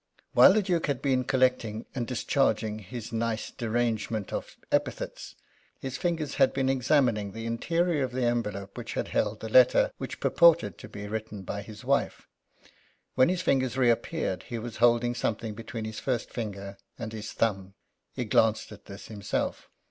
While the Duke had been collecting and discharging his nice derangement of epithets his fingers had been examining the interior of the envelope which had held the letter which purported to be written by his wife. When his fingers reappeared he was holding something between his first finger and his thumb. He glanced at this himself.